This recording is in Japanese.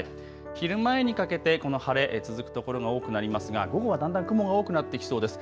昼前にかけてこの晴れ続くところも多くなりますが午後はだんだん雲が多くなってきそうです。